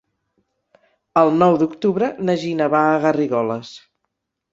El nou d'octubre na Gina va a Garrigoles.